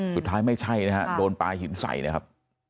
สุดท้ายไม่ใช่นะฮะโดนปลาหิมใสนะครับ